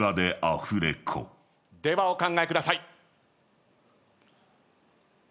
ではお考えください。